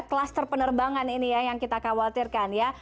kluster penerbangan ini ya yang kita khawatirkan ya